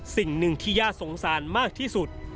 สิ่งหนึ่งที่ย่าสงสารมากที่สุด